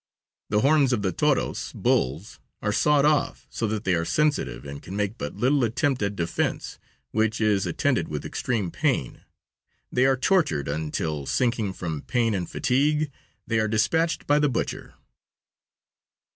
The horns of the toros (bulls) are sawed off so that they are sensitive and can make but little attempt at defense, which is attended with extreme pain. They are tortured until, sinking from pain and fatigue, they are dispatched by the butcher.